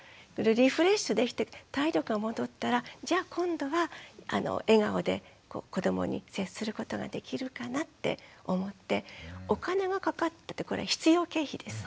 リフレッシュできて体力が戻ったらじゃあ今度は笑顔で子どもに接することができるかなって思ってお金がかかってってこれは必要経費です。